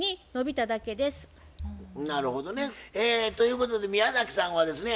なるほどね。ということで宮崎さんはですね